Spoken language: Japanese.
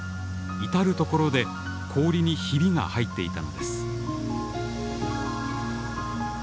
至る所で氷にひびが入っていたのです。